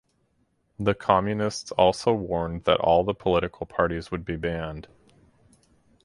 The Communists also warned that all the political parties would be banned.